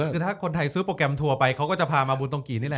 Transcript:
คือถ้าคนไทยซื้อโปรแกรมทัวร์ไปเขาก็จะพามาบุญตรงกี่นี่แหละ